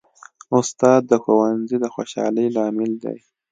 استاد د ښوونځي د خوشحالۍ لامل دی.